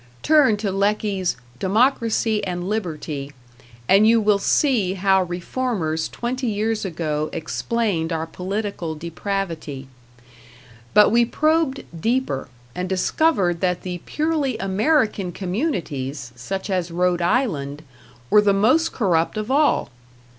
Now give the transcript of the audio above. Turn to Lecky's "Democracy and Liberty" and you will see how reformers twenty years ago explained our political depravity. But we probed deeper, and discovered that the purely American communities, such as Rhode Island, were the most corrupt of all.